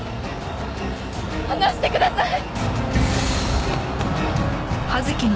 離してください！